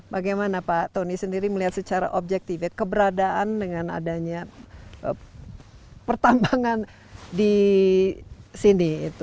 bagaimana pak tony sendiri melihat secara objektif ya keberadaan dengan adanya pertambangan di sini